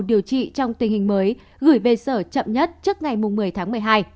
điều trị trong tình hình mới gửi về sở chậm nhất trước ngày một mươi tháng một mươi hai